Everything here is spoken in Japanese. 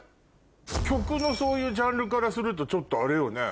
曲のそういうジャンルからするとちょっとあれよね